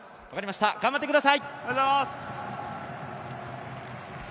頑張ってください。